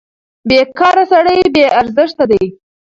بېکاره سړی بې ارزښته دی.